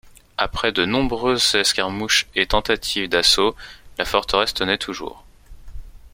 Après de nombreuses escarmouches et tentatives d'assaut la forteresse tenait toujours.